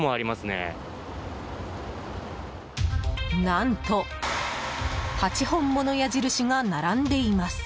何と、８本もの矢印が並んでいます。